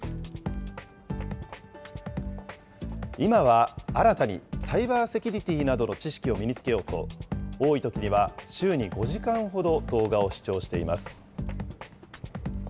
今は、新たにサイバーセキュリティーなどの知識を身につけようと、多いときには週に５時間ほど、動画を視聴しています。